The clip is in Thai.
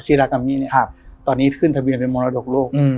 ชิรากรรมิครับตอนนี้ขึ้นทะเบียนเป็นมรดกโลก